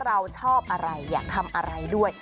เราชอบอะไรอยากทำอะไรด้วย